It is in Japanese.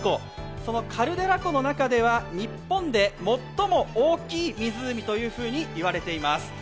そのカルデラ湖の中では日本で最も大きい湖と言われています。